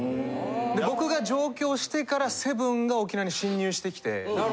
僕が上京してからセブンが沖縄に侵入してきて。